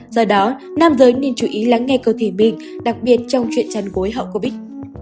do đó nam giới nên chú ý lắng nghe cơ thể mình đặc biệt trong chuyện chăn gối hậu covid